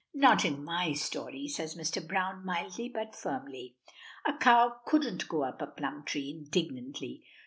"Not in my story," says Mr. Browne, mildly but firmly. "A cow couldn't go up a plum tree," indignantly.